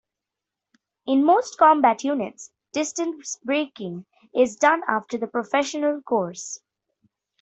In most combat units, distance-breaking is done after the professional course.